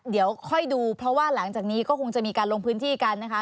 เดี๋ยวค่อยดูเพราะว่าหลังจากนี้ก็คงจะมีการลงพื้นที่กันนะคะ